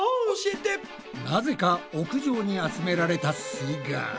なぜか屋上に集められたすイガール。